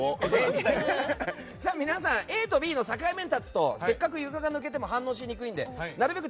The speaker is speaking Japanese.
皆さん、ＡとＢの境目に立つとせっかく床が抜けても反応しにくいんでなるべく